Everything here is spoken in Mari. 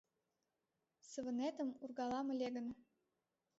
Сывынетым ургалам ыле гын